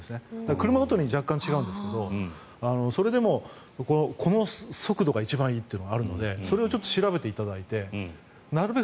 車ごとに若干違うんですがそれでもこの速度が一番いいっていうのがあるのでそれを調べていただいてなるべく